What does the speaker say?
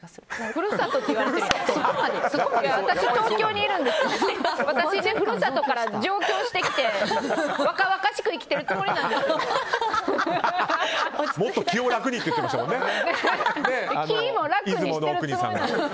故郷から上京してきて若々しく生きてるつもりなんです。